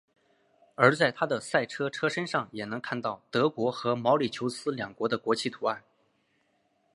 而在他的赛车车身上也能看到德国和毛里求斯两国的国旗图案。